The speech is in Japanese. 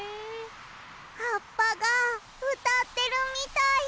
はっぱがうたってるみたい。